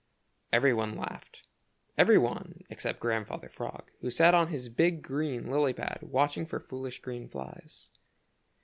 Every one laughed, every one except Grandfather Frog, who sat on his big green lily pad watching for foolish green flies.